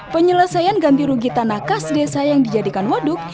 penyelesaian ganti rugi tanah khas desa yang dijadikan waduk